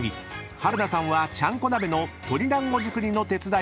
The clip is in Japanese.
［春菜さんはちゃんこ鍋の鶏だんご作りの手伝いをします］